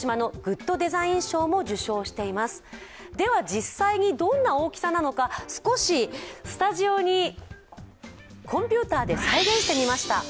実際にどんな大きさなのか、スタジオにコンピューターで再現してみました